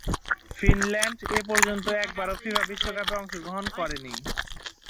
Finland এপর্যন্ত একবারও FIFA বিশ্বকাপে অংশগ্রহণ করেনি।